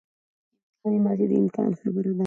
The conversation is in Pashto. امکاني ماضي د امکان خبره کوي.